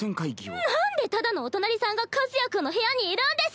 なんでただのお隣さんが和也君の部屋にいるんです？